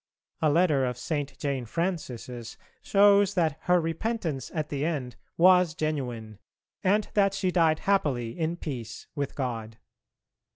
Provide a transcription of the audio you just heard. A letter of St. Jane Frances' shows that her repentance at the end was genuine, and that she died happily in peace with God.